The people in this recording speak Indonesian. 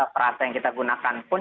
perasa yang kita gunakan pun